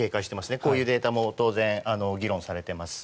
こういうデータも当然、議論されています。